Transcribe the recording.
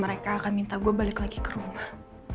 mereka akan minta gue balik lagi ke rumah